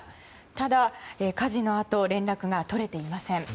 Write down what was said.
ただ、火事のあと連絡が取れていません。